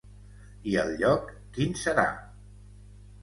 I el lloc, quin serà?